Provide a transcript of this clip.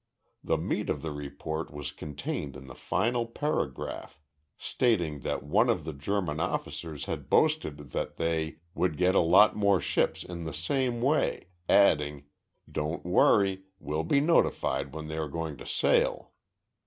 The meat of the report was contained in the final paragraph, stating that one of the German officers had boasted that they "would get a lot more ships in the same way," adding, "Don't worry we'll be notified when they are going to sail."